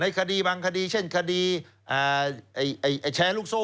คดีบางคดีเช่นคดีแชร์ลูกโซ่